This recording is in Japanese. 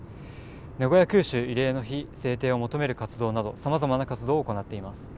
「名古屋空襲慰霊の日」制定を求める活動などさまざまな活動を行っています。